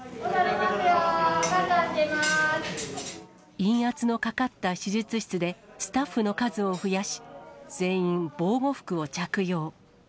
陰圧のかかった手術室で、スタッフの数を増やし、全員防護服を着用。